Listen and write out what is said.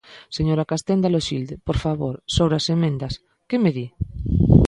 Señora Castenda Loxilde, por favor, sobre as emendas, ¿que me di?